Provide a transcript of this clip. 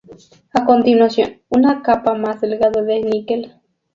A continuación, una capa más delgada de níquel.